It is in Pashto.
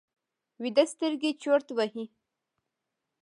ویده سترګې چورت وهي